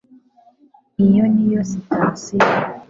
iyo niyo sitasiyo